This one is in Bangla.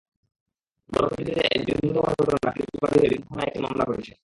গণপিটুনিতে একজন নিহত হওয়ার ঘটনায় পুলিশ বাদী হয়ে বিরামপুর থানায় একটি মামলা করেছে।